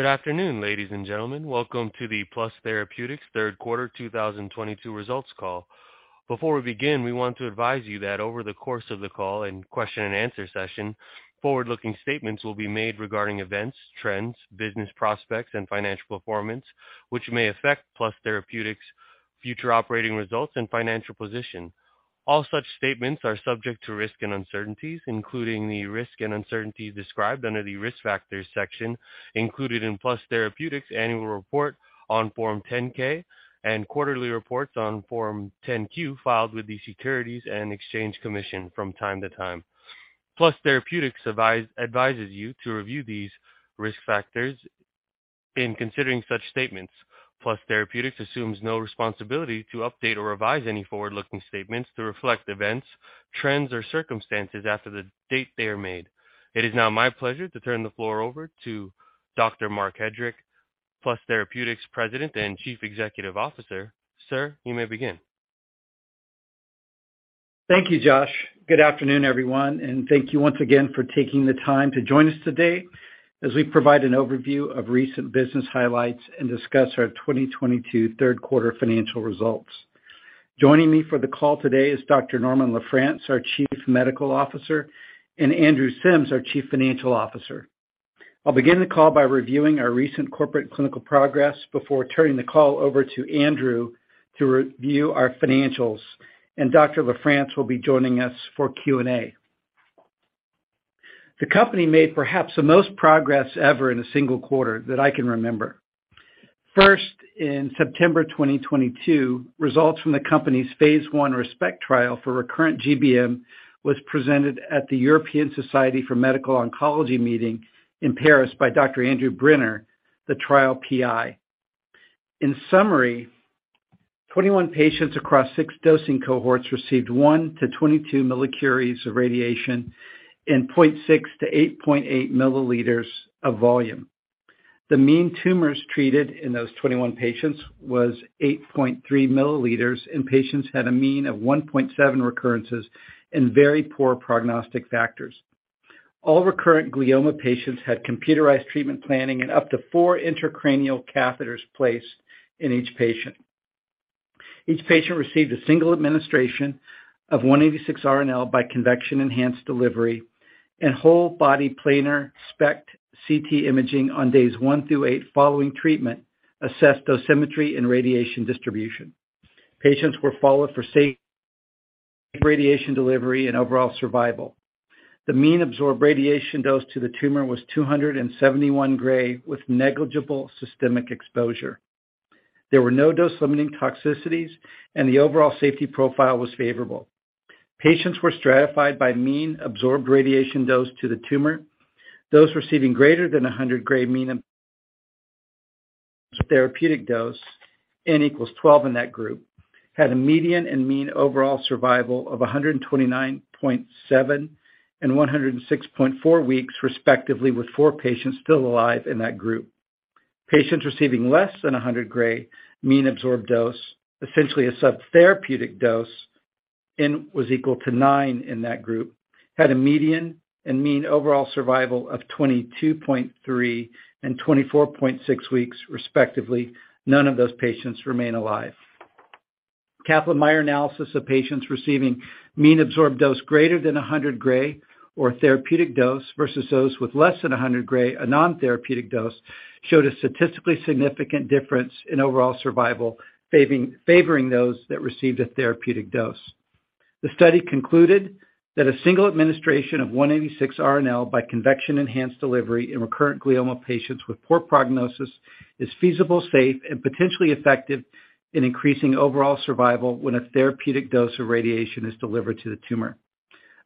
Good afternoon, ladies and gentlemen. Welcome to the Plus Therapeutics' third quarter 2022 results call. Before we begin, we want to advise you that over the course of the call and Q&A session, forward-looking statements will be made regarding events, trends, business prospects, and financial performance, which may affect Plus Therapeutics' future operating results and financial position. All such statements are subject to risk and uncertainties, including the risk and uncertainties described under the Risk Factors section included in Plus Therapeutics' annual report on Form 10-K and quarterly reports on Form 10-Q filed with the Securities and Exchange Commission from time to time. Plus Therapeutics advises you to review these risk factors in considering such statements. Plus Therapeutics assumes no responsibility to update or revise any forward-looking statements to reflect events, trends, or circumstances after the date they are made. It is now my pleasure to turn the floor over to Dr. Marc H. Hedrick, President and Chief Executive Officer, Plus Therapeutics. Sir, you may begin. Thank you, Josh. Good afternoon, everyone, and thank you once again for taking the time to join us today as we provide an overview of recent business highlights and discuss our 2022 third quarter financial results. Joining me for the call today is Dr. Norman LaFrance, our Chief Medical Officer, and Andrew Sims, our Chief Financial Officer. I'll begin the call by reviewing our recent corporate and clinical progress before turning the call over to Andrew to review our financials, and Dr. LaFrance will be joining us for Q&A. The company made perhaps the most progress ever in a single quarter that I can remember. First, in September 2022, results from the company's phase I ReSPECT trial for recurrent GBM was presented at the European Society for Medical Oncology meeting in Paris by Dr. Andrew Brenner, the trial PI. In summary, 21 patients across six dosing cohorts received 1 millicuries-22 millicuries of radiation and 0.6 ml-8.8 ml of volume. The mean tumors treated in those 21 patients was 8.3 ml, and patients had a mean of 1.7 recurrences and very poor prognostic factors. All recurrent glioma patients had computerized treatment planning and up to four intracranial catheters placed in each patient. Each patient received a single administration of 186 RNL by Convection Enhanced Delivery and whole-body planar SPECT/CT imaging on days one through eight following treatments, assessed dosimetry and radiation distribution. Patients were followed for safe radiation delivery and overall survival. The mean absorbed radiation dose to the tumor was 271 Gray, with negligible systemic exposure. There were no dose-limiting toxicities, and the overall safety profile was favorable. Patients were stratified by mean absorbed radiation dose to the tumor. Those receiving greater than 100 Gray mean therapeutic dose, N equals 12 in that group, had a median and mean overall survival of 129.7 weeks and 106.4 weeks, respectively, with four patients still alive in that group. Patients receiving less than 100 Gray mean absorbed dose, essentially a subtherapeutic dose, N was equal to 9 in that group, had a median and mean overall survival of 22.3 weeks and 24.6 weeks, respectively. None of those patients remain alive. Kaplan-Meier analysis of patients receiving mean absorbed dose greater than 100 Gray or therapeutic dose versus those with less than 100 Gray, a non-therapeutic dose, showed a statistically significant difference in overall survival, favoring those that received a therapeutic dose. The study concluded that a single administration of 186 RNL by Convection Enhanced Delivery in recurrent glioma patients with poor prognosis is feasible, safe, and potentially effective in increasing overall survival when a therapeutic dose of radiation is delivered to the tumor.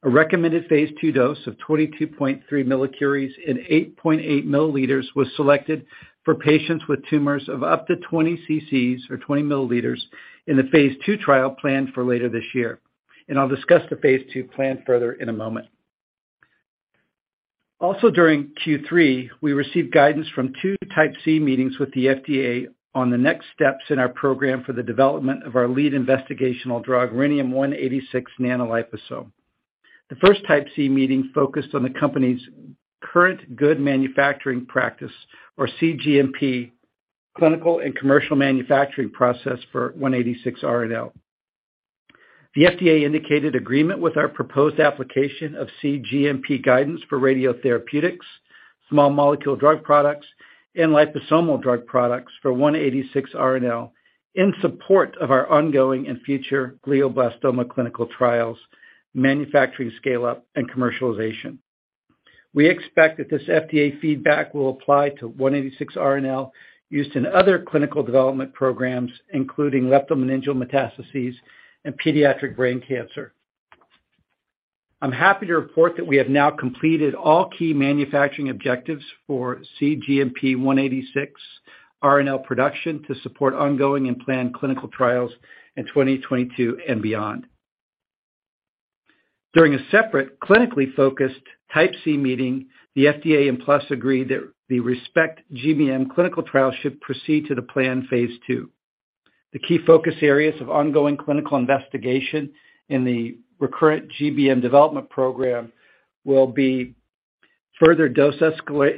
A recommended phase II dose of 22.3 millicuries in 8.8 ml was selected for patients with tumors of up to 20 cc or 20 ml in the phase II trial planned for later this year, and I'll discuss the phase I plan further in a moment. Also, during Q3, we received guidance from two Type C meetings with the FDA on the next steps in our program for the development of our lead investigational drug, Rhenium-186 Nanoliposome. The first Type C meeting focused on the company's current good manufacturing practice, or cGMP, clinical and commercial manufacturing process for 186 RNL. The FDA indicated agreement with our proposed application of cGMP guidance for radiotherapeutics, small molecule drug products, and liposomal drug products for 186 RNL in support of our ongoing and future glioblastoma clinical trials, manufacturing scale-up, and commercialization. We expect that this FDA feedback will apply to 186 RNL used in other clinical development programs, including leptomeningeal metastases and pediatric brain cancer. I'm happy to report that we have now completed all key manufacturing objectives for cGMP 186 RNL production to support ongoing and planned clinical trials in 2022 and beyond. During a separate clinically focused Type C meeting, the FDA and Plus agreed that the ReSPECT-GBM clinical trial should proceed to the planned phase II. The key focus areas of ongoing clinical investigation in the recurrent GBM development program will be further dose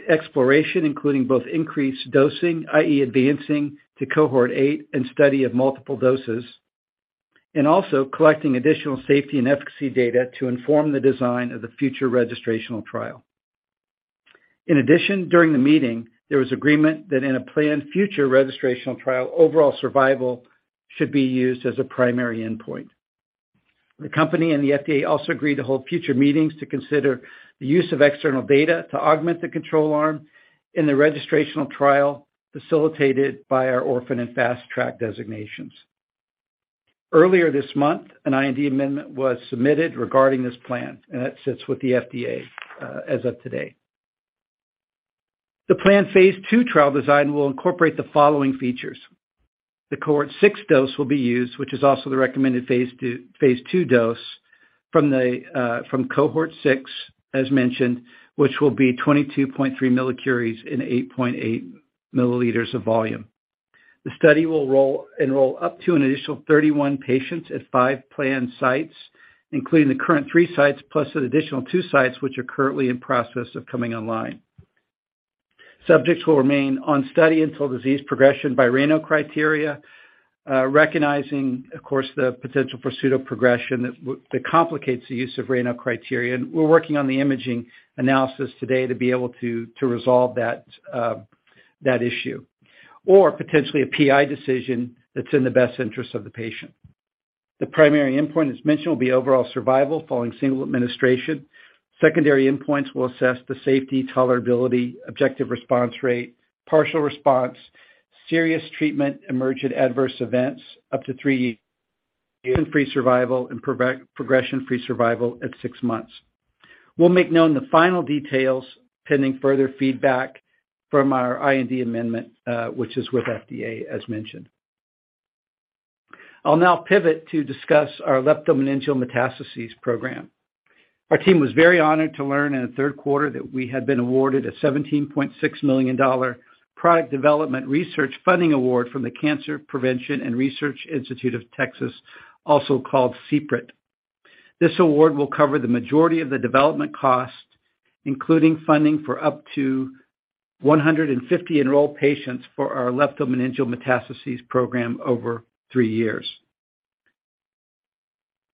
exploration, including both increased dosing, i.e., advancing to cohort eight and study of multiple doses, and also collecting additional safety and efficacy data to inform the design of the future registrational trial. In addition, during the meeting, there was agreement that in a planned future registrational trial, overall survival should be used as a primary endpoint. The company and the FDA also agreed to hold future meetings to consider the use of external data to augment the control arm in the registrational trial, facilitated by our orphan and Fast Track designations. Earlier this month, an IND amendment was submitted regarding this plan, and that sits with the FDA, as of today. The planned phase II trial design will incorporate the following features. The cohort six dose will be used, which is also the recommended phase II dose from cohort six as mentioned, which will be 22.3 millicuries in 8.8 ml of volume. The study will enroll up to an initial 31 patients at five planned sites, including the current three sites plus an additional two sites which are currently in process of coming online. Subjects will remain on study until disease progression by RANO criteria, recognizing, of course, the potential for pseudoprogression that complicates the use of RANO criteria, and we're working on the imaging analysis today to be able to resolve that issue, or potentially a PI decision that's in the best interest of the patient. The primary endpoint, as mentioned, will be overall survival following single administration. Secondary endpoints will assess the safety, tolerability, objective response rate, partial response, serious treatment emergent adverse events up to three years, progression-free survival and progression-free survival at six months. We'll make known the final details pending further feedback from our IND amendment, which is with FDA as mentioned. I'll now pivot to discuss our leptomeningeal metastases program. Our team was very honored to learn in the third quarter that we had been awarded a $17.6 million product development research funding award from the Cancer Prevention and Research Institute of Texas, also called CPRIT. This award will cover the majority of the development costs, including funding for up to 150 enrolled patients for our leptomeningeal metastases program over three years.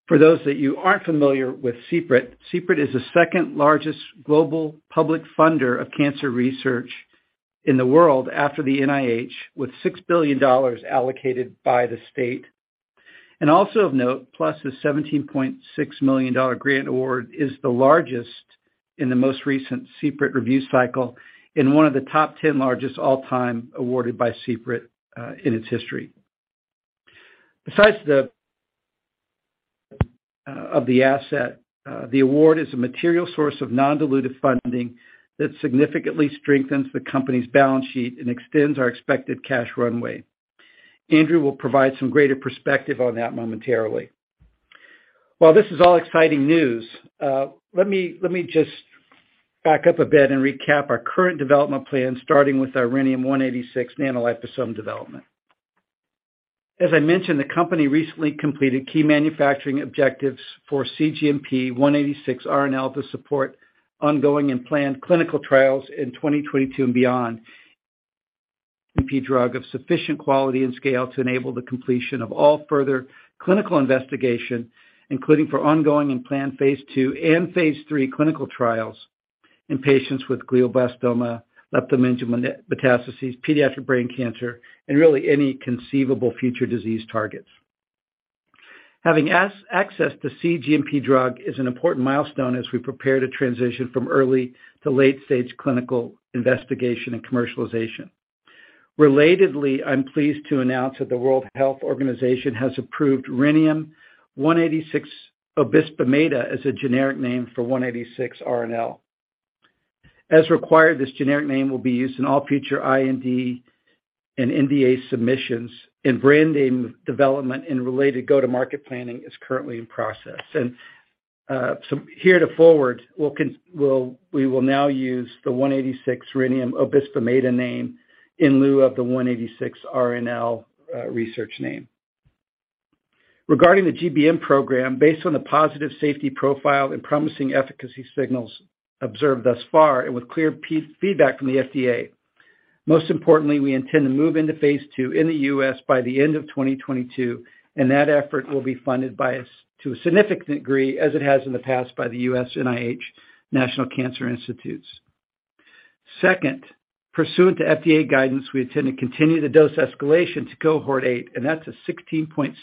For those that you aren't familiar with CPRIT is the second largest global public funder of cancer research in the world after the NIH, with $6 billion allocated by the state. Also of note, plus the $17.6 million grant award is the largest in the most recent CPRIT review cycle and one of the top 10 largest all-time awarded by CPRIT, in its history. Besides, the award is a material source of non-dilutive funding that significantly strengthens the company's balance sheet and extends our expected cash runway. Andrew will provide some greater perspective on that momentarily. While this is all exciting news, let me just back up a bit and recap our current development plan, starting with our Rhenium-186 Nanoliposome development. As I mentioned, the company recently completed key manufacturing objectives for cGMP-186 RNL to support ongoing and planned clinical trials in 2022 and beyond. cGMP drug of sufficient quality and scale to enable the completion of all further clinical investigation, including for ongoing and planned phase II and phase III clinical trials in patients with glioblastoma, leptomeningeal metastases, pediatric brain cancer, and really any conceivable future disease targets. Having access to cGMP drug is an important milestone as we prepare to transition from early to late-stage clinical investigation and commercialization. Relatedly, I'm pleased to announce that the World Health Organization has approved Rhenium-186 obisbemeda as a generic name for 186 RNL. As required, this generic name will be used in all future IND and NDA submissions, and brand name development and related go-to-market planning is currently in process. Heretofore, we will now use the Rhenium-186 obisbemeda name in lieu of the 186 RNL research name. Regarding the GBM program, based on the positive safety profile and promising efficacy signals observed thus far, and with clear feedback from the FDA, most importantly, we intend to move into phase II in the U.S. by the end of 2022, and that effort will be funded to a significant degree as it has in the past by the U.S. NIH National Cancer Institute. Second, pursuant to FDA guidance, we intend to continue the dose escalation to cohort eight, and that's a 16.6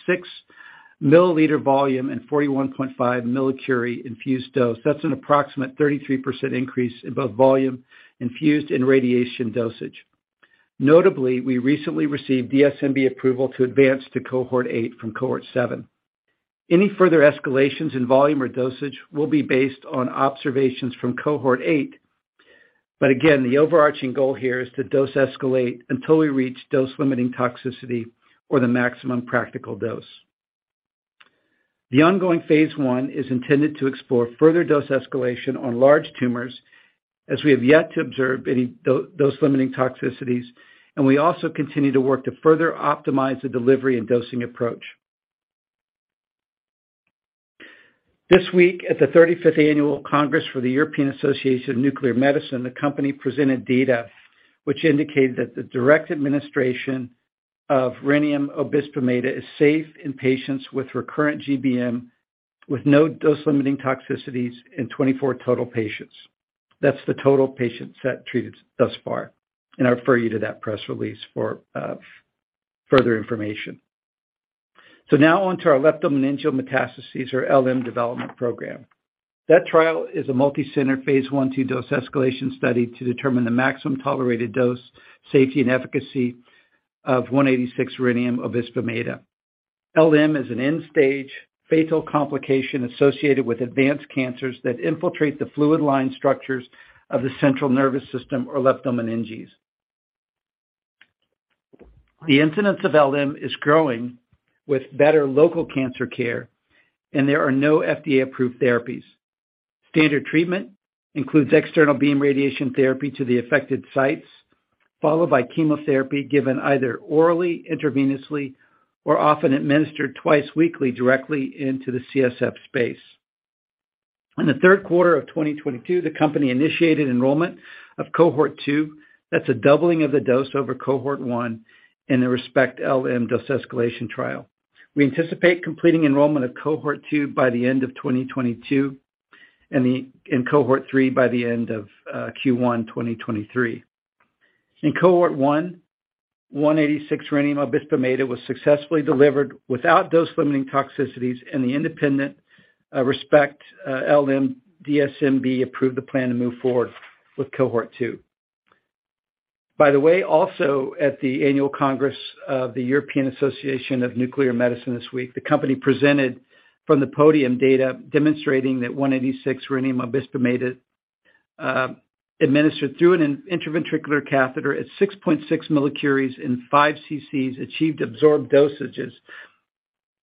ml volume and 41.5 millicuries infused dose. That's an approximate 33% increase in both volume infused and radiation dosage. Notably, we recently received DSMB approval to advance to cohort eight from cohort seven. Any further escalations in volume or dosage will be based on observations from cohort eight, but again, the overarching goal here is to dose escalate until we reach dose limiting toxicity or the maximum practical dose. The ongoing phase I is intended to explore further dose escalation on large tumors as we have yet to observe any dose limiting toxicities, and we also continue to work to further optimize the delivery and dosing approach. This week at the 35th Annual Congress for the European Association of Nuclear Medicine, the company presented data which indicated that the direct administration of Rhenium obisbemeda is safe in patients with recurrent GBM with no dose-limiting toxicities in 24 total patients. That's the total patient set treated thus far, and I refer you to that press release for further information. Now on to our leptomeningeal metastases, or LM development program. That trial is a multi-center phase I/II dose escalation study to determine the maximum tolerated dose, safety, and efficacy of Rhenium-186 obisbemeda. LM is an end-stage fatal complication associated with advanced cancers that infiltrate the fluid-filled structures of the central nervous system or leptomeninges. The incidence of LM is growing with better local cancer care, and there are no FDA-approved therapies. Standard treatment includes external beam radiation therapy to the affected sites, followed by chemotherapy given either orally, intravenously, or often administered twice weekly directly into the CSF space. In the third quarter of 2022, the company initiated enrollment of cohort two. That's a doubling of the dose over cohort one in the ReSPECT-LM dose escalation trial. We anticipate completing enrollment of cohort two by the end of 2022 and cohort three by the end of Q1 2023. In cohort one, Rhenium-186 obisbemeda was successfully delivered without dose-limiting toxicities, and the independent ReSPECT-LM DSMB approved the plan to move forward with cohort two. By the way, also at the Annual Congress of the European Association of Nuclear Medicine this week, the company presented from the podium data demonstrating that Rhenium-186 obisbemeda administered through an intraventricular catheter at 6.6 millicuries in 5 cc's achieved absorbed dosages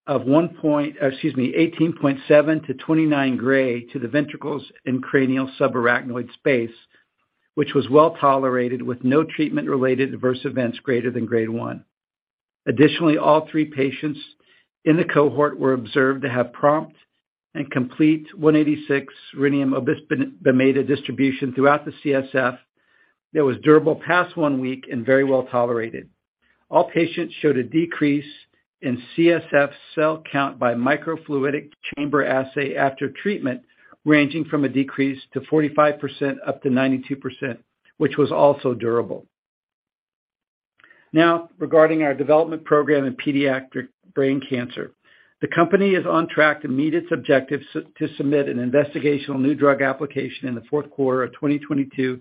of 18.7 Gray-29 Gray to the ventricles and cranial subarachnoid space, which was well-tolerated with no treatment-related adverse events greater than grade one. Additionally, all three patients in the cohort were observed to have prompt and complete Rhenium-186 obisbemeda distribution throughout the CSF that was durable past one week and very well tolerated. All patients showed a decrease in CSF cell count by microfluidic chamber assay after treatment, ranging from a decrease of 45% up to 92%, which was also durable. Now regarding our development program in pediatric brain cancer. The company is on track to meet its objectives to submit an investigational new drug application in the fourth quarter of 2022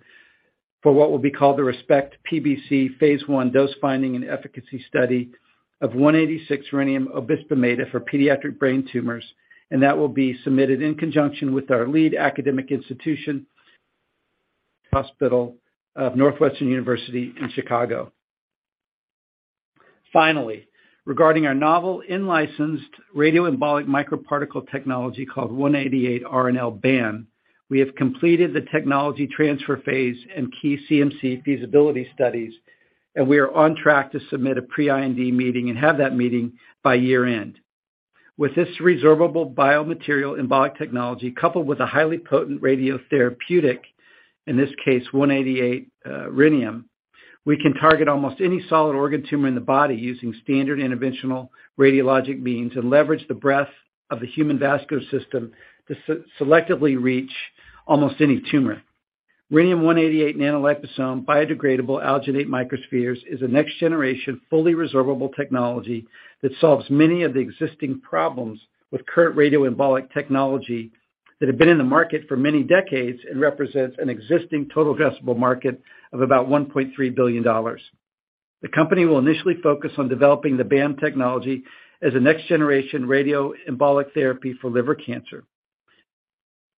for what will be called the ReSPECT-PBC phase I dose-finding and efficacy study of Rhenium-186 obisbemeda for pediatric brain tumors, and that will be submitted in conjunction with our lead academic institution hospital of Northwestern University in Chicago. Finally, regarding our novel in-licensed radioembolic microparticle technology called 188RNL-BAM, we have completed the technology transfer phase and key CMC feasibility studies, and we are on track to submit a pre-IND meeting and have that meeting by year-end. With this resorbable biomaterial embolic technology coupled with a highly potent radiotherapeutic, in this case Rhenium-188, we can target almost any solid organ tumor in the body using standard interventional radiologic means and leverage the breadth of the human vascular system to selectively reach almost any tumor. Rhenium-188 Nanoliposome biodegradable alginate microspheres is a next-generation, fully resorbable technology that solves many of the existing problems with current radioembolic technology that have been in the market for many decades and represents an existing total addressable market of about $1.3 billion. The company will initially focus on developing the BAM technology as a next generation radioembolic therapy for liver cancer.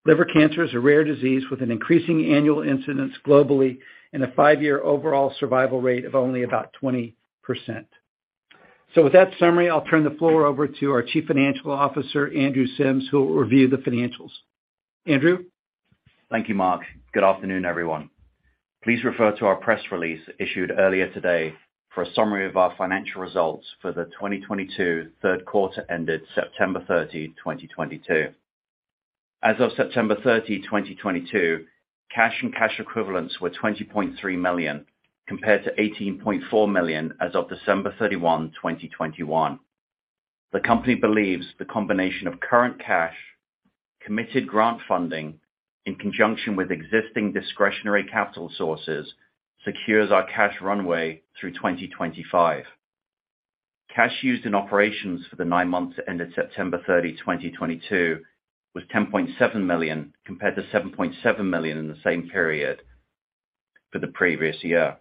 Liver cancer is a rare disease with an increasing annual incidence globally and a five-year overall survival rate of only about 20%. With that summary, I'll turn the floor over to our Chief Financial Officer, Andrew Sims, who will review the financials. Andrew? Thank you, Marc. Good afternoon, everyone. Please refer to our press release issued earlier today for a summary of our financial results for the 2022 third quarter ended September 30, 2022. As of September 30, 2022, cash and cash equivalents were $20.3 million, compared to $18.4 million as of December 31, 2021. The company believes the combination of current cash, committed grant funding, in conjunction with existing discretionary capital sources, secures our cash runway through 2025. Cash used in operations for the nine months ended September 30, 2022 was $10.7 million, compared to $7.7 million in the same period for the previous year.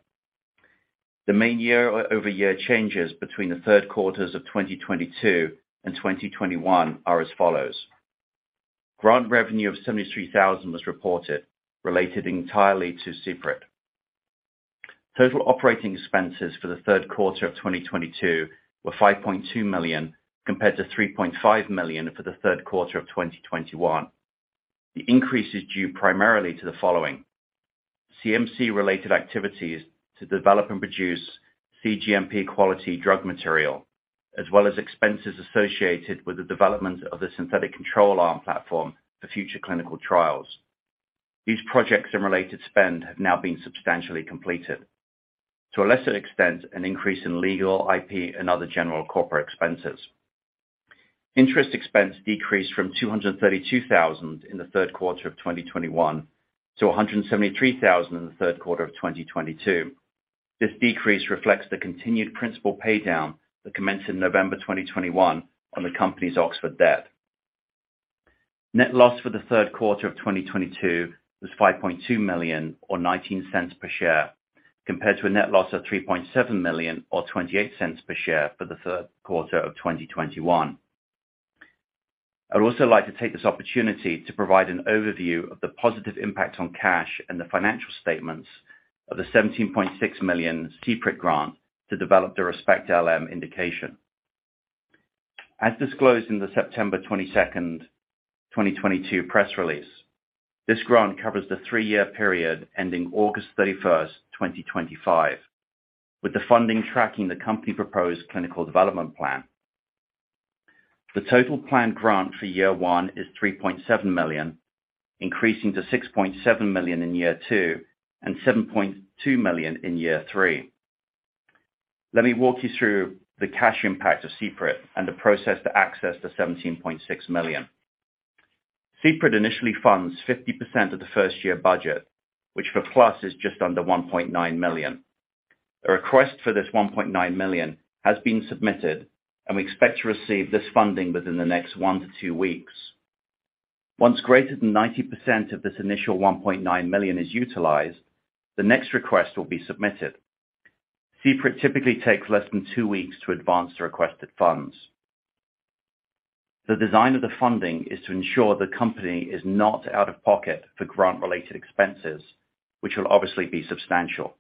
The main year-over-year changes between the third quarters of 2022 and 2021 are as follows: Grant revenue of $73,000 was reported, related entirely to CPRIT. Total operating expenses for the third quarter of 2022 were $5.2 million compared to $3.5 million for the third quarter of 2021. The increase is due primarily to the following. CMC-related activities to develop and produce cGMP quality drug material, as well as expenses associated with the development of the synthetic control arm platform for future clinical trials. These projects and related spend have now been substantially completed. To a lesser extent, an increase in legal, IP, and other general corporate expenses. Interest expense decreased from $232,000 in the third quarter of 2021 to $173,000 in the third quarter of 2022. This decrease reflects the continued principal pay down that commenced in November 2021 on the company's Oxford debt. Net loss for the third quarter of 2022 was $5.2 million or $0.19 per share, compared to a net loss of $3.7 million or $0.28 per share for the third quarter of 2021. I would also like to take this opportunity to provide an overview of the positive impact on cash and the financial statements of the $17.6 million CPRIT grant to develop the ReSPECT-LM indication. As disclosed in the September 22, 2022 press release, this grant covers the three-year period ending August 31, 2025, with the funding tracking the company proposed clinical development plan. The total planned grant for year one is $3.7 million, increasing to $6.7 million in year two and $7.2 million in year three. Let me walk you through the cash impact of CPRIT and the process to access the $17.6 million. CPRIT initially funds 50% of the first-year budget, which for Plus is just under $1.9 million. A request for this $1.9 million has been submitted, and we expect to receive this funding within the next one week to two weeks. Once greater than 90% of this initial $1.9 million is utilized, the next request will be submitted. CPRIT typically takes less than two weeks to advance the requested funds. The design of the funding is to ensure the company is not out of pocket for grant-related expenses, which will obviously be substantial.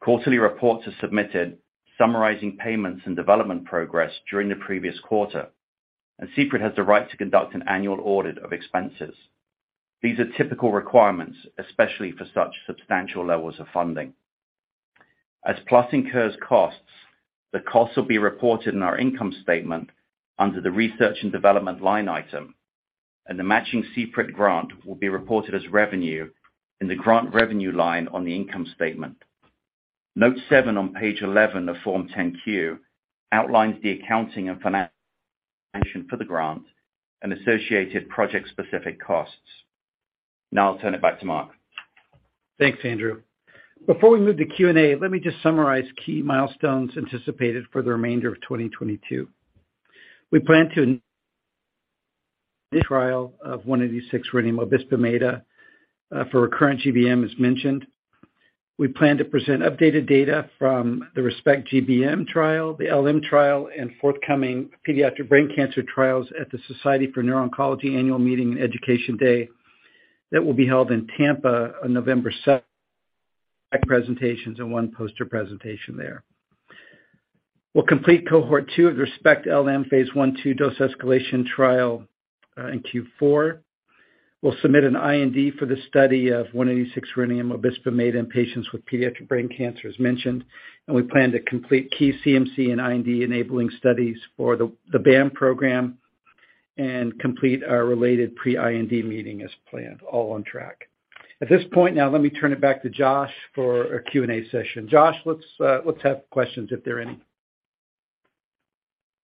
Quarterly reports are submitted summarizing payments and development progress during the previous quarter, and CPRIT has the right to conduct an annual audit of expenses. These are typical requirements, especially for such substantial levels of funding. As Plus incurs costs, the costs will be reported in our income statement under the research and development line item, and the matching CPRIT grant will be reported as revenue in the grant revenue line on the income statement. Note seven on page eleven of Form 10-Q outlines the accounting and financial for the grant and associated project-specific costs. Now I'll turn it back to Marc. Thanks, Andrew. Before we move to Q&A, let me just summarize key milestones anticipated for the remainder of 2022. We plan to trial of Rhenium-186 obisbemeda for recurrent GBM, as mentioned. We plan to present updated data from the ReSPECT-GBM trial, the LM trial, and forthcoming pediatric brain cancer trials at the Society for Neuro-Oncology Annual Meeting and Education Day that will be held in Tampa on November 7th, two presentations and one poster presentation there. We'll complete cohort two of ReSPECT-LM phase I/II dose escalation trial in Q4. We'll submit an IND for the study of Rhenium-186 obisbemeda in patients with pediatric brain cancer as mentioned. We plan to complete key CMC and IND enabling studies for the BAM program and complete our related pre-IND meeting as planned, all on track. At this point now, let me turn it back to Josh for a Q&A session. Josh, let's have questions if there are any.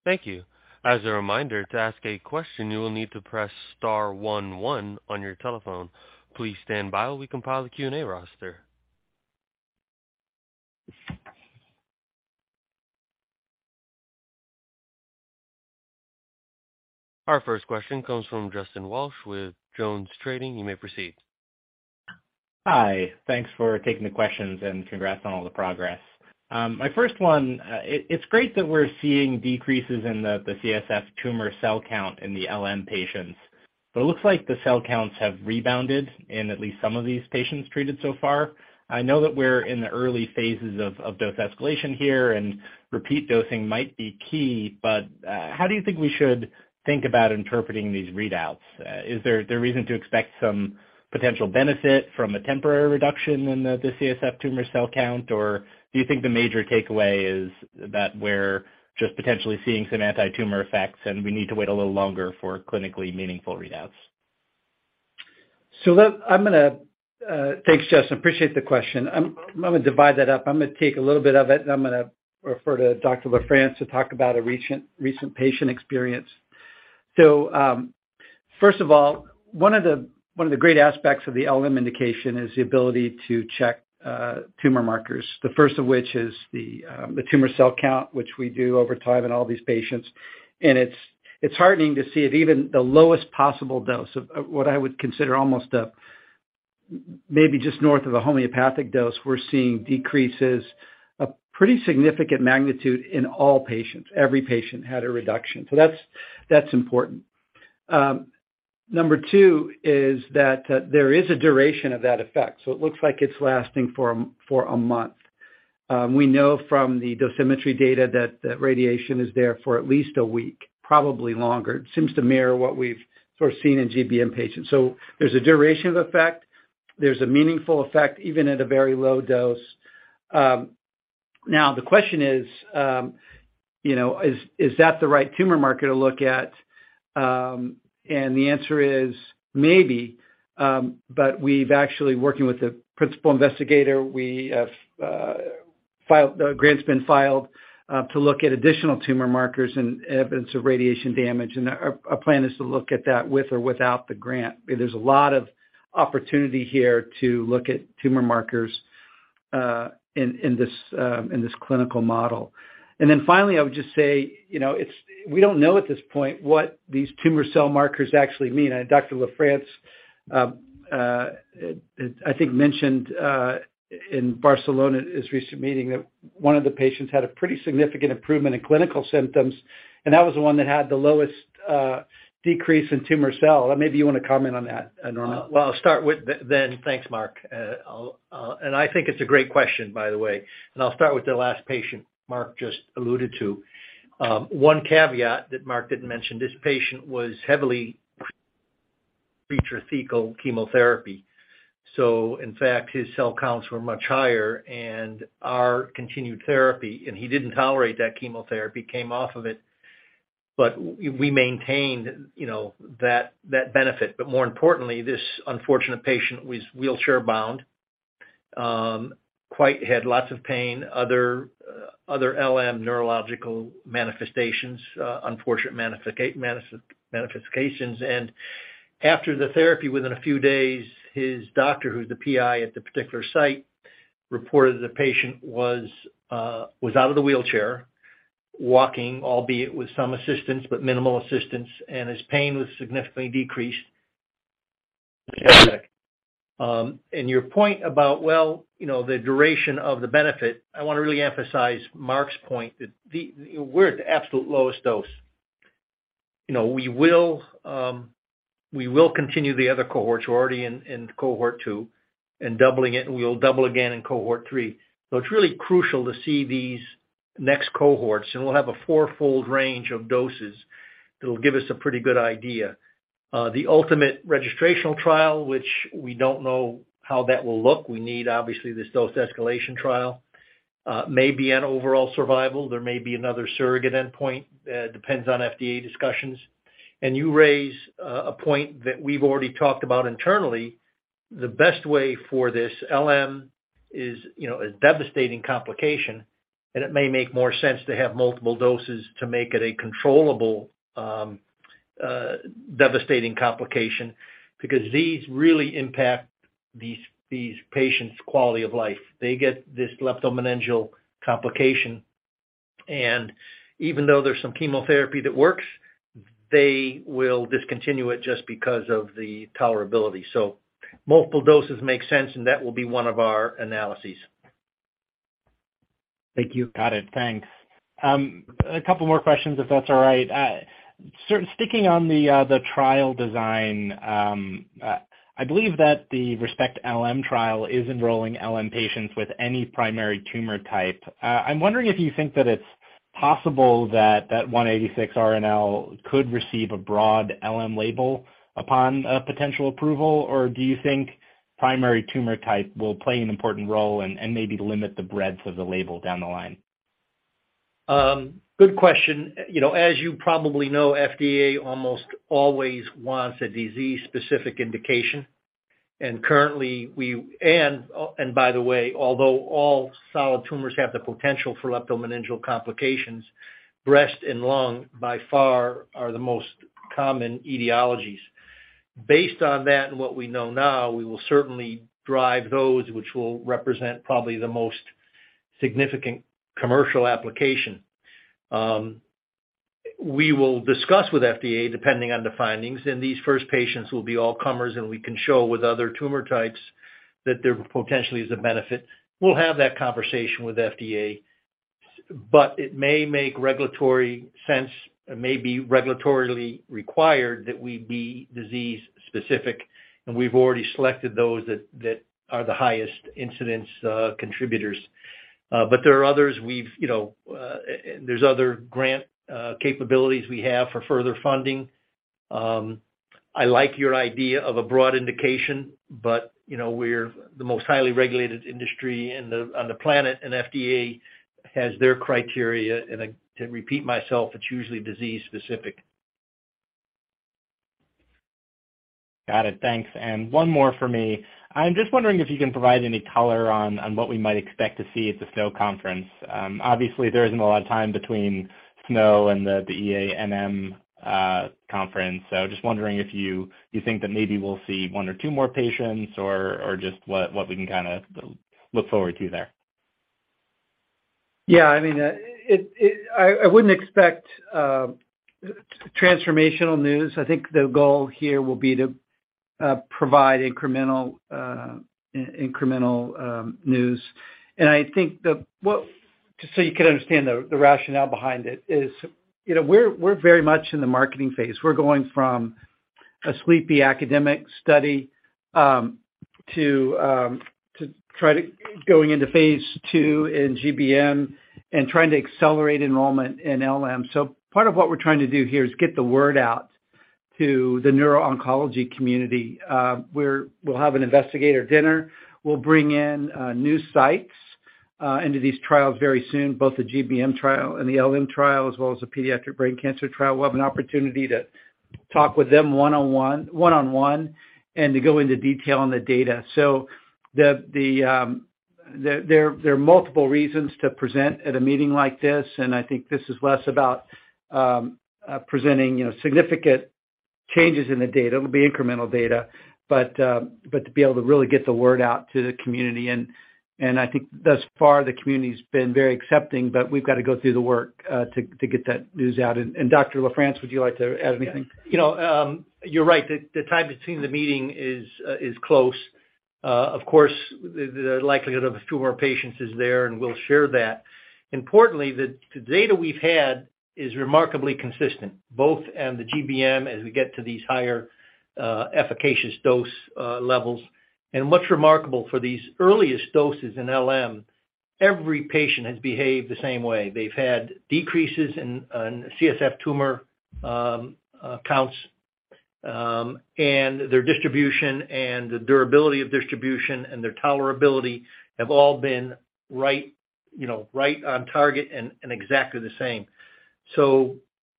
Thank you. As a reminder to ask a question, you will need to press star one one on your telephone. Please stand by while we compile the Q&A roster. Our first question comes from Justin Walsh with JonesTrading. You may proceed. Hi. Thanks for taking the questions and congrats on all the progress. My first one, it's great that we're seeing decreases in the CSF tumor cell count in the LM patients, but it looks like the cell counts have rebounded in at least some of these patients treated so far. I know that we're in the early phases of dose escalation here and repeat dosing might be key, but how do you think we should think about interpreting these readouts? Is there reason to expect some potential benefit from a temporary reduction in the CSF tumor cell count? Or do you think the major takeaway is that we're just potentially seeing some anti-tumor effects and we need to wait a little longer for clinically meaningful readouts? I'm gonna-- thanks, Justin. Appreciate the question. I'm gonna divide that up. I'm gonna take a little bit of it, and I'm gonna refer to Dr. LaFrance to talk about a recent patient experience. First of all, one of the great aspects of the LM indication is the ability to check tumor markers, the first of which is the tumor cell count, which we do over time in all these patients. It's heartening to see if even the lowest possible dose of what I would consider almost a maybe just north of a homeopathic dose, we're seeing decreases of a pretty significant magnitude in all patients. Every patient had a reduction. That's important. Number two is that there is a duration of that effect. It looks like it's lasting for a month. We know from the dosimetry data that the radiation is there for at least a week, probably longer. It seems to mirror what we've sort of seen in GBM patients. There's a duration of effect. There's a meaningful effect, even at a very low dose. Now the question is, you know, is that the right tumor marker to look at? The answer is maybe, but we've actually working with the principal investigator. We have filed. The grant's been filed to look at additional tumor markers and evidence of radiation damage, and our plan is to look at that with or without the grant. There's a lot of opportunity here to look at tumor markers in this clinical model. Finally, I would just say, you know, we don't know at this point what these tumor cell markers actually mean. Dr. LaFrance, I think mentioned in Barcelona, his recent meeting, that one of the patients had a pretty significant improvement in clinical symptoms, and that was the one that had the lowest decrease in tumor cell. Maybe you wanna comment on that, Norman. Well, I'll start with then, thanks, Marc. I think it's a great question, by the way, and I'll start with the last patient Marc just alluded to. One caveat that Marc didn't mention, this patient was heavily pre-therapeutic chemotherapy. In fact, his cell counts were much higher, and our continued therapy, and he didn't tolerate that chemotherapy, came off of it, but we maintained, you know, that benefit. More importantly, this unfortunate patient was wheelchair-bound, he had lots of pain, other LM neurological manifestations, unfortunate manifestations. After the therapy, within a few days, his doctor, who's the PI at the particular site, reported the patient was out of the wheelchair, walking, albeit with some assistance, but minimal assistance, and his pain was significantly decreased. Your point about, well, you know, the duration of the benefit, I wanna really emphasize Marc's point that the, we're at the absolute lowest dose. You know, we will continue the other cohorts. We're already in cohort two and doubling it, and we'll double again in cohort three. It's really crucial to see these next cohorts, and we'll have a fourfold range of doses that'll give us a pretty good idea. The ultimate registrational trial, which we don't know how that will look, we need obviously this dose escalation trial, may be on overall survival. There may be another surrogate endpoint. It depends on FDA discussions. You raise a point that we've already talked about internally. The best way for this LM is, you know, a devastating complication, and it may make more sense to have multiple doses to make it a controllable devastating complication because these really impact these patients' quality of life. They get this leptomeningeal complication, and even though there's some chemotherapy that works, they will discontinue it just because of the tolerability. Multiple doses make sense, and that will be one of our analyses. Thank you. Got it. Thanks. A couple more questions if that's all right. Sticking on the trial design, I believe that the ReSPECT-LM trial is enrolling LM patients with any primary tumor type. I'm wondering if you think that it's possible that 186 RNL could receive a broad LM label upon a potential approval, or do you think primary tumor type will play an important role and maybe limit the breadth of the label down the line? Good question. You know, as you probably know, FDA almost always wants a disease-specific indication. Currently, by the way, although all solid tumors have the potential for leptomeningeal complications, breast and lung by far are the most common etiologies. Based on that and what we know now, we will certainly drive those which will represent probably the most significant commercial application. We will discuss with FDA, depending on the findings, and these first patients will be all comers, and we can show with other tumor types that there potentially is a benefit. We'll have that conversation with FDA. It may make regulatory sense. It may be regulatorily required that we be disease-specific, and we've already selected those that are the highest incidence contributors. There are others we've, you know, there's other grant capabilities we have for further funding. I like your idea of a broad indication, but, you know, we're the most highly regulated industry on the planet, and FDA has their criteria. To repeat myself, it's usually disease-specific. Got it. Thanks. One more for me. I'm just wondering if you can provide any color on what we might expect to see at the SNO conference. Obviously, there isn't a lot of time between SNO and the EANM conference. Just wondering if you think that maybe we'll see one or two more patients or just what we can kinda look forward to there. Yeah. I mean, it, I wouldn't expect transformational news. I think the goal here will be to provide incremental news. I think just so you can understand the rationale behind it is, you know, we're very much in the marketing phase. We're going from a sleepy academic study to try to going into phase II in GBM and trying to accelerate enrollment in LM. Part of what we're trying to do here is get the word out to the neuro-oncology community, where we'll have an investigator dinner. We'll bring in new sites into these trials very soon, both the GBM trial and the LM trial, as well as the pediatric brain cancer trial. We'll have an opportunity to talk with them one on one and to go into detail on the data. There are multiple reasons to present at a meeting like this. I think this is less about presenting, you know, significant changes in the data. It'll be incremental data, but to be able to really get the word out to the community. I think thus far the community's been very accepting, but we've got to go through the work to get that news out. Dr. LaFrance, would you like to add anything? You know, you're right. The time between the meeting is close. Of course, the likelihood of two more patients is there, and we'll share that. Importantly, the data we've had is remarkably consistent, both in the GBM as we get to these higher efficacious dose levels. What's remarkable for these earliest doses in LM, every patient has behaved the same way. They've had decreases in CSF tumor counts, and their distribution and the durability of distribution and their tolerability have all been right, you know, right on target and exactly the same.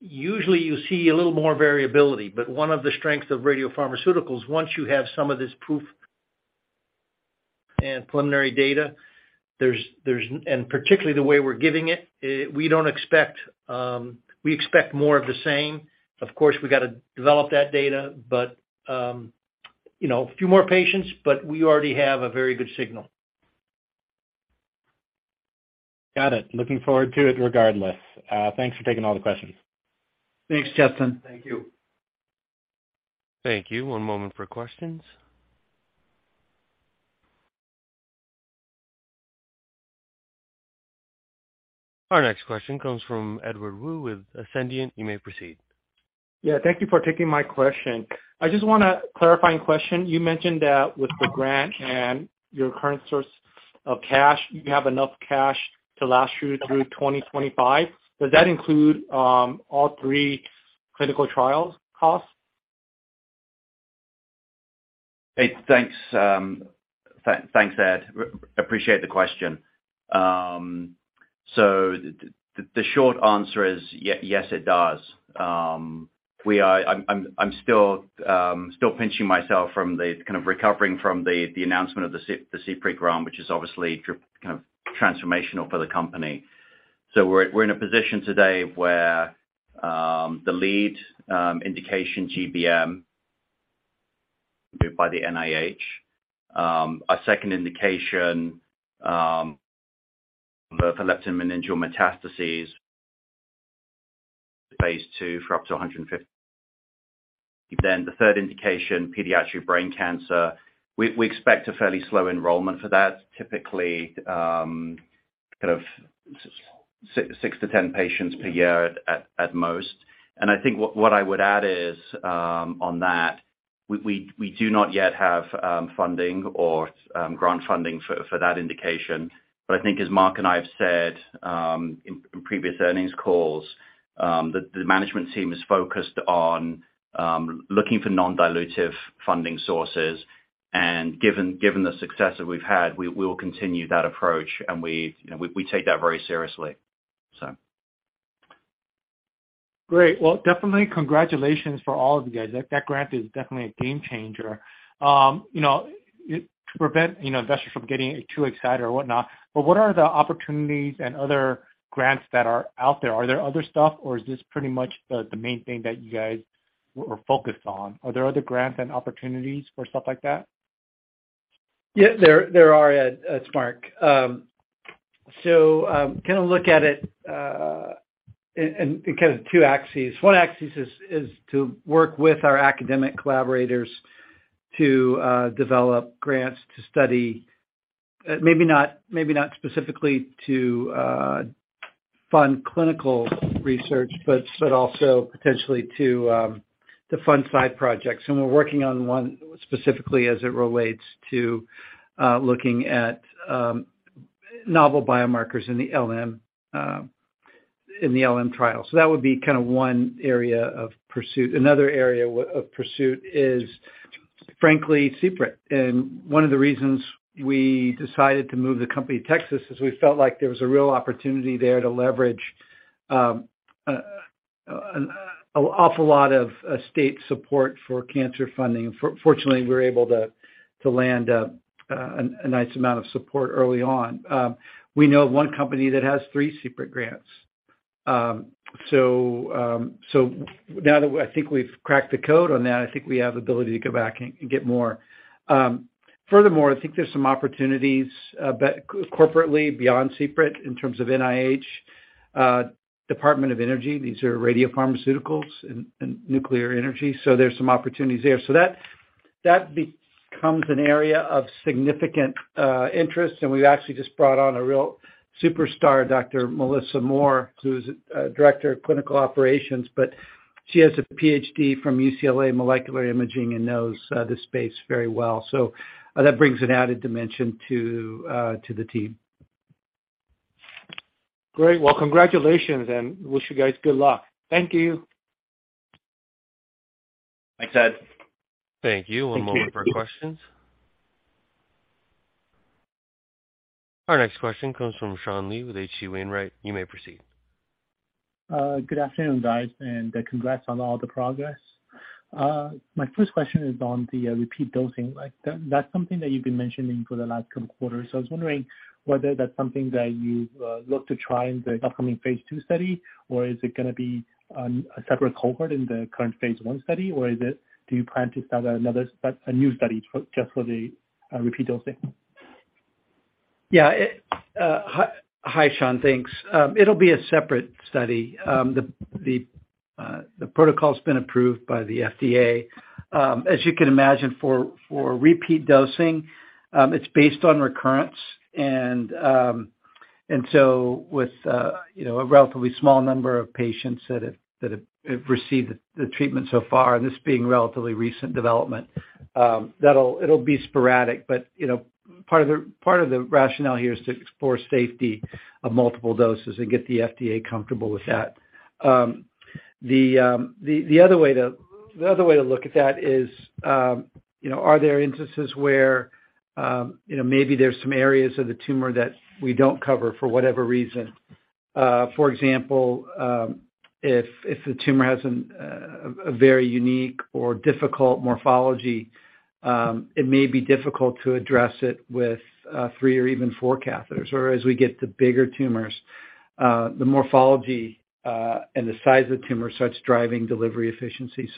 Usually you see a little more variability, but one of the strengths of radiopharmaceuticals, once you have some of this proof and preliminary data, there's. Particularly the way we're giving it, we expect more of the same. Of course, we got to develop that data, but, you know, a few more patients, but we already have a very good signal. Got it. Looking forward to it regardless. Thanks for taking all the questions. Thanks, Justin. Thank you. Thank you. One moment for questions. Our next question comes from Edward Wu with Ascendiant. You may proceed. Yeah, thank you for taking my question. I just want a clarifying question. You mentioned that with the grant and your current source of cash, you have enough cash to last you through 2025. Does that include all three clinical trials costs? Hey, thanks, Ed. Appreciate the question. The short answer is yes; it does. I'm still pinching myself from recovering from the announcement of the CPRIT grant, which is obviously kind of transformational for the company. We're in a position today where the lead indication GBM by the NIH, our second indication for leptomeningeal metastases phase II for up to 150. Then the third indication, pediatric brain cancer, we expect a fairly slow enrollment for that, typically kind of six to 10 patients per year at most. I think what I would add is, on that, we do not yet have funding or grant funding for that indication. I think as Marc and I have said in previous earnings calls, the management team is focused on looking for non-dilutive funding sources. Given the success that we've had, we will continue that approach and we, you know, we take that very seriously so. Great. Well, definitely congratulations for all of you guys. That grant is definitely a game changer. You know, to prevent, you know, investors from getting too excited or whatnot, but what are the opportunities and other grants that are out there? Are there other stuff or is this pretty much the main thing that you guys are focused on? Are there other grants and opportunities for stuff like that? Yeah, there are, Edward. It's Marc. So kind of look at it in kind of two axes. One axis is to work with our academic collaborators to develop grants to study maybe not specifically to fund clinical research, but also potentially to fund side projects. We're working on one specifically as it relates to looking at novel biomarkers in the LM trial. That would be kind of one area of pursuit. Another area of pursuit is frankly CPRIT. One of the reasons we decided to move the company to Texas is we felt like there was a real opportunity there to leverage an awful lot of state support for cancer funding. Fortunately, we were able to land a nice amount of support early on. We know of one company that has three CPRIT grants. Now that I think we've cracked the code on that, I think we have ability to go back and get more. Furthermore, I think there's some opportunities, but corporately beyond ReSPECT in terms of NIH, Department of Energy, these are radiopharmaceuticals and nuclear energy, so there's some opportunities there. That becomes an area of significant interest, and we've actually just brought on a real superstar, Dr. Melissa Moore, who's Director of Clinical Operations. She has a PhD from UCLA Molecular Imaging and knows this space very well. That brings an added dimension to the team. Great. Well, congratulations, and wish you guys good luck. Thank you. Thanks, Ed. Thank you. One moment for questions. Our next question comes from Sean Lee with H.C. Wainwright. You may proceed. Good afternoon, guys, and congrats on all the progress. My first question is on the repeat dosing. Like, that's something that you've been mentioning for the last couple quarters, so I was wondering whether that's something that you look to try in the upcoming phase II study or is it gonna be a separate cohort in the current phase I study or do you plan to start a new study for just the repeat dosing? Hi, Sean. Thanks. It'll be a separate study. The protocol's been approved by the FDA. As you can imagine for repeat dosing, it's based on recurrence and with you know, a relatively small number of patients that have received the treatment so far, and this being relatively recent development, it'll be sporadic. You know, part of the rationale here is to explore safety of multiple doses and get the FDA comfortable with that. The other way to look at that is you know, are there instances where maybe there's some areas of the tumor that we don't cover for whatever reason. For example, if the tumor has a very unique or difficult morphology, it may be difficult to address it with three or even four catheters or as we get to bigger tumors, the morphology and the size of tumor starts driving delivery efficiency.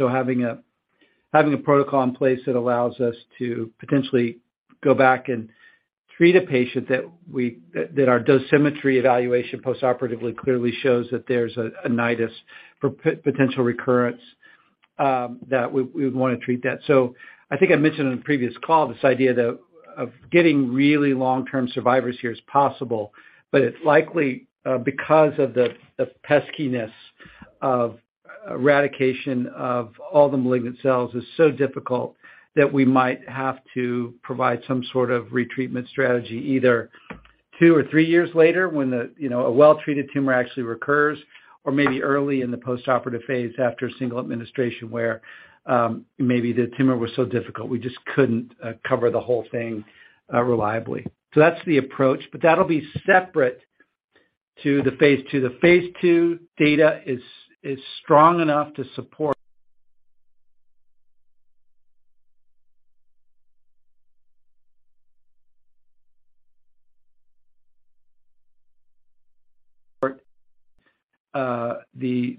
Having a protocol in place that allows us to potentially go back and treat a patient that our dosimetry evaluation postoperatively clearly shows that there's a nidus for potential recurrence, that we would wanna treat that. I think I mentioned on a previous call this idea that of getting really long-term survivors here is possible, but it's likely because of the peskiness of eradication of all the malignant cells is so difficult that we might have to provide some sort of retreatment strategy either two or three years later when the you know a well-treated tumor actually recurs or maybe early in the postoperative phase after a single administration where maybe the tumor was so difficult we just couldn't cover the whole thing reliably. That's the approach, but that'll be separate to the phase II. The phase II data is strong enough to support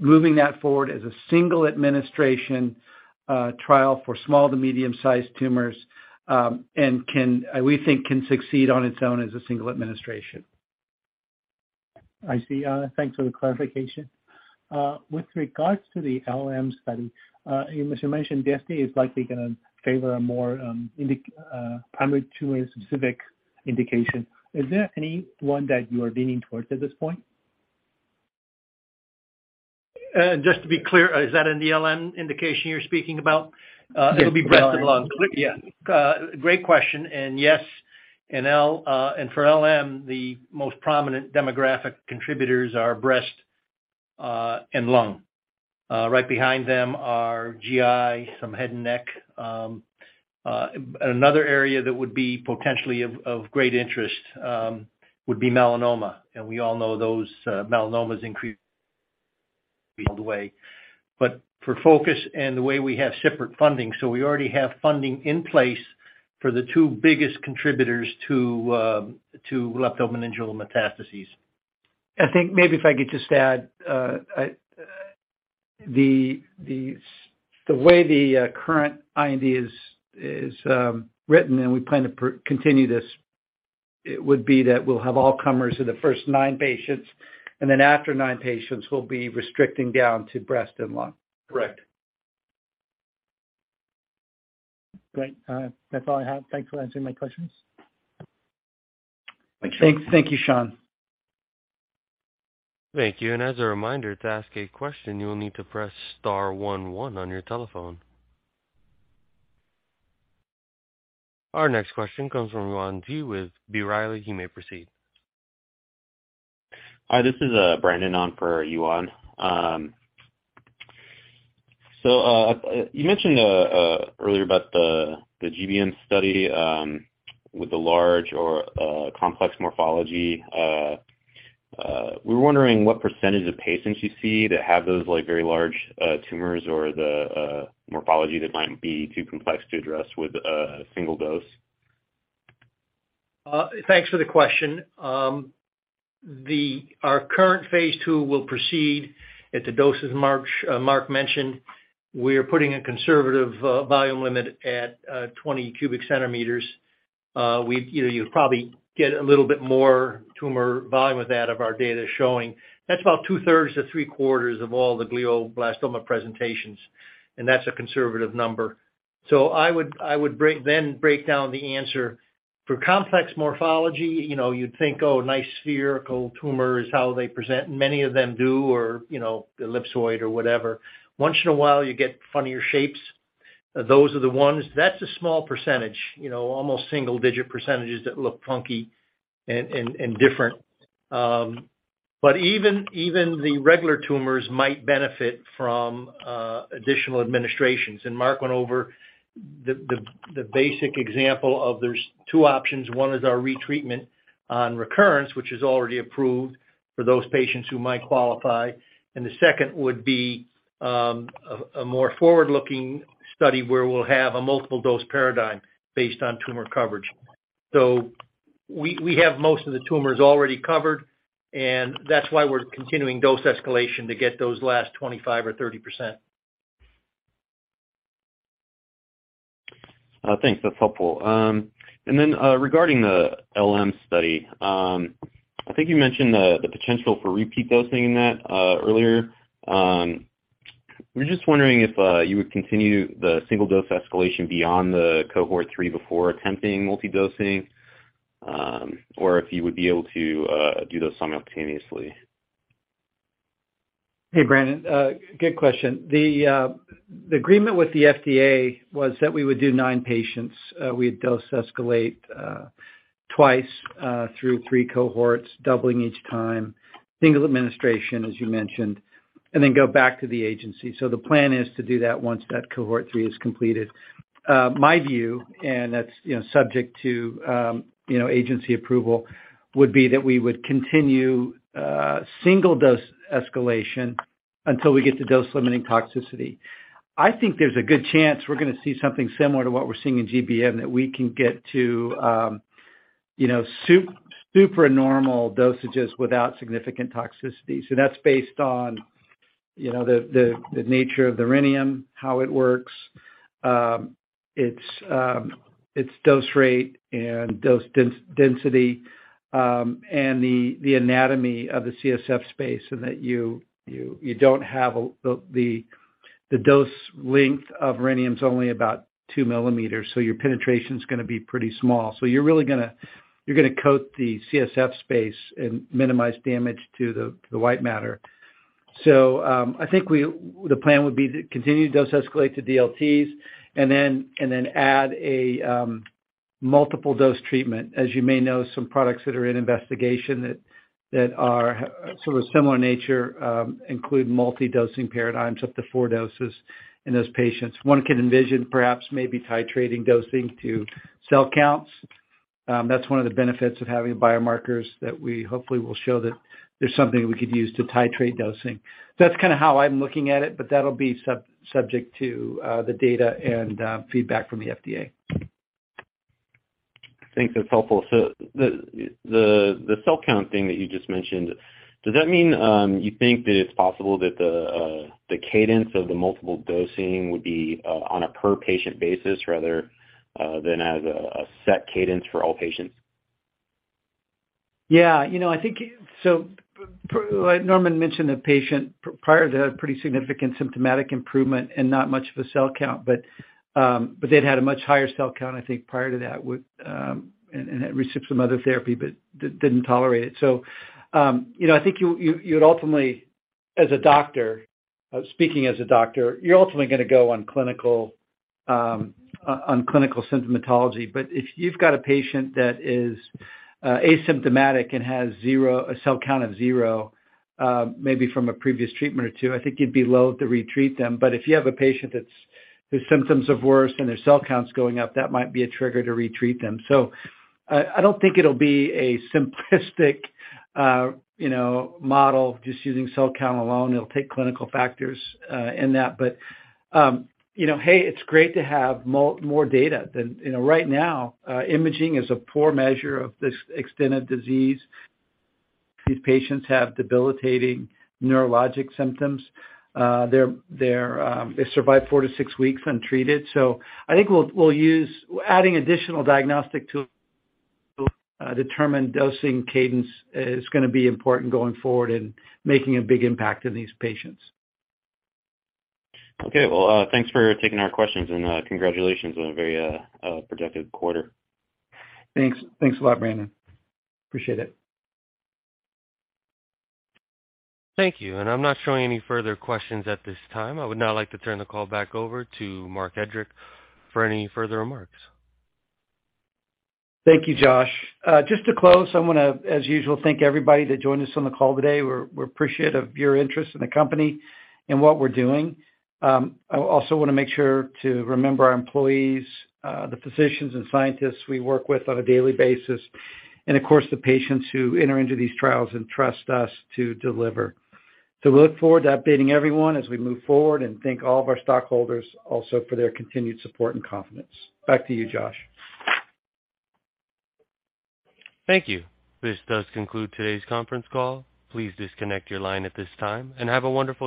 the moving that forward as a single administration trial for small to medium-sized tumors, and can we think can succeed on its own as a single administration. I see. Thanks for the clarification. With regards to the LM study, as you mentioned, the FDA is likely gonna favor a more primary tumor-specific indication. Is there any one that you are leaning towards at this point? Just to be clear, is that in the LM indication you're speaking about? Yes. It'll be breast and lung. Great question. Yes, in LM, the most prominent demographic contributors are breast and lung. Right behind them are GI, some head and neck. Another area that would be potentially of great interest would be melanoma. We all know those melanomas increase all the way. For focus and the way we have separate funding, we already have funding in place for the two biggest contributors to leptomeningeal metastases. I think maybe if I could just add, the way the current IND is written, and we plan to continue this, it would be that we'll have all comers in the first nine patients, and then after nine patients we'll be restricting down to breast and lung. Correct. Great. That's all I have. Thanks for answering my questions. Thank you. Thank you, Sean. Thank you. As a reminder, to ask a question, you will need to press star one one on your telephone. Our next question comes from Yuan Ji with B. Riley. He may proceed. Hi, this is Brandon on for Yuan. You mentioned earlier about the GBM study with the large or complex morphology. We were wondering what percentage of patients you see that have those, like very large, tumors or the morphology that might be too complex to address with a single dose? Thanks for the question. Our current phase II will proceed at the doses Marc mentioned. We are putting a conservative volume limit at 20 cubic centimeters. You know, you'd probably get a little bit more tumor volume with that of our data showing. That's about 2/3s to 3/4 of all the glioblastoma presentations, and that's a conservative number. I would break down the answer. For complex morphology, you know, you'd think, "Oh, nice spherical tumor," is how they present. Many of them do, or, you know, ellipsoid or whatever. Once in a while, you get funnier shapes. Those are the ones. That's a small percentage, you know, almost single-digit percentages that look funky and different. But even the regular tumors might benefit from additional administrations. Marc went over the basic example of there's two options. One is our retreatment on recurrence, which is already approved for those patients who might qualify. The second would be a more forward-looking study where we'll have a multiple dose paradigm based on tumor coverage. We have most of the tumors already covered, and that's why we're continuing dose escalation to get those last 25% or 30%. Thanks. That's helpful. Regarding the LM study, I think you mentioned the potential for repeat dosing in that earlier. We're just wondering if you would continue the single dose escalation beyond the cohort three before attempting multi-dosing, or if you would be able to do those simultaneously. Hey, Brandon. Good question. The agreement with the FDA was that we would do nine patients. We'd dose escalate twice through three cohorts, doubling each time. Single administration, as you mentioned. Then go back to the agency. The plan is to do that once that cohort three is completed. My view, and that's, you know, subject to, you know, agency approval, would be that we would continue single dose escalation until we get to dose limiting toxicity. I think there's a good chance we're gonna see something similar to what we're seeing in GBM, that we can get to, you know, supernormal dosages without significant toxicity. That's based on, you know, the nature of the rhenium, how it works, its dose rate and dose density, and the anatomy of the CSF space so that you don't have. The dose length of rhenium is only about 2 millimeters, so your penetration's gonna be pretty small. You're really gonna coat the CSF space and minimize damage to the white matter. I think the plan would be to continue dose escalate to DLTs and then add a multiple dose treatment. As you may know, some products that are in investigation that are sort of similar in nature include multi-dosing paradigms, up to 4 doses in those patients. One can envision perhaps maybe titrating dosing to cell counts. That's one of the benefits of having biomarkers that we hopefully will show that there's something we could use to titrate dosing. That's kinda how I'm looking at it, but that'll be subject to the data and feedback from the FDA. Thanks. That's helpful. The cell count thing that you just mentioned, does that mean you think that it's possible that the cadence of the multiple dosing would be on a per patient basis rather than as a set cadence for all patients? Yeah. You know, I think like Norman mentioned the patient prior to pretty significant symptomatic improvement and not much of a cell count, but they'd had a much higher cell count, I think, prior to that and had received some other therapy but didn't tolerate it. You know, I think you'd ultimately, as a doctor, speaking as a doctor, you're ultimately gonna go on clinical symptomatology. If you've got a patient that is asymptomatic and has a cell count of zero, maybe from a previous treatment or two, I think you'd be loath to retreat them. If you have a patient that's whose symptoms have worsened and their cell count's going up, that might be a trigger to retreat them. I don't think it'll be a simplistic model just using cell count alone. It'll take clinical factors in that but, it's great to have more data than. Right now, imaging is a poor measure of this extent of disease. These patients have debilitating neurologic symptoms. They survive four weeks to six weeks untreated. I think we'll use adding additional diagnostic to determine dosing cadence is gonna be important going forward in making a big impact in these patients. Okay. Well, thanks for taking our questions, and congratulations on a very productive quarter. Thanks. Thanks a lot, Brandon. Appreciate it. Thank you. I'm not showing any further questions at this time. I would now like to turn the call back over to Marc H. Hedrick for any further remarks. Thank you, Josh. Just to close, I wanna, as usual, thank everybody that joined us on the call today. We appreciate your interest in the company and what we're doing. I also wanna make sure to remember our employees, the physicians and scientists we work with on a daily basis and, of course, the patients who enter into these trials and trust us to deliver. We look forward to updating everyone as we move forward, and thank all of our stockholders also for their continued support and confidence. Back to you, Josh. Thank you. This does conclude today's conference call. Please disconnect your line at this time, and have a wonderful day.